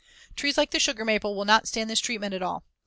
Trees like the sugar maple will not stand this treatment at all.